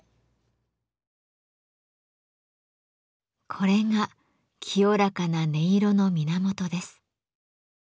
これが清らかな音色の源です。